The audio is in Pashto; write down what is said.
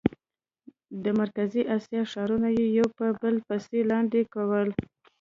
د مرکزي اسیا ښارونه یې یو په بل پسې لاندې کول.